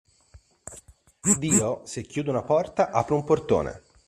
Dio, se chiude una porta, apre un portone.